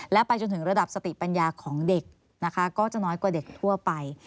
และไปจนถึงระดับสติปัญญาของเด็กนะคะก็จะน้อยกว่าเด็กทั่วไป